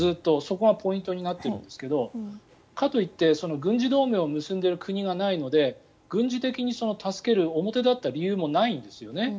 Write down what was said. そこがポイントなんですがかといって軍事同盟を結んでいる国がないので軍事的に助ける表立った理由もないんですね。